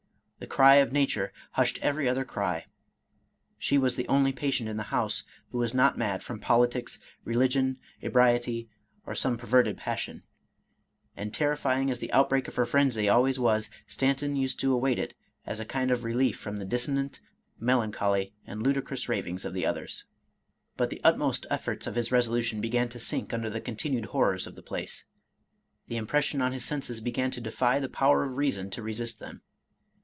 The cry of nature hushed every other cry, — she was the only patient in the house who was not mad from politics, religion, ebriety, or some perverted passion ; and terrifying as the outbreak of her frenzy always was, Stanton used to await it as a kind of relief from the dissonant, melancholy, and ludicrous rav ings of the others. But the utmost efforts of his resolution began to sink under the continued horrors of the place. The impression on his senses began to defy the power of reason to resist them.